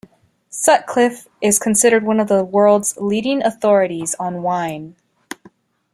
Sutcliffe is considered one of the world's leading authorities on wine.